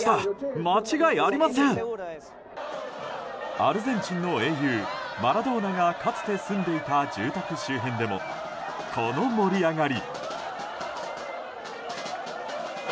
アルゼンチンの英雄マラドーナがかつて住んでいた住宅周辺でもこの盛り上がり。